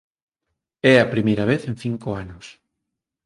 É a primeira vez en cinco anos.